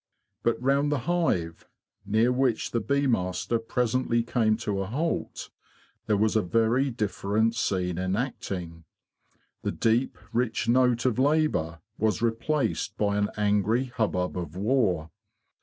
But round the hive, near which the bee master presently came to a halt, there was a very different scene enacting. The deep, rich note of labour was replaced by an angry hubbub of war.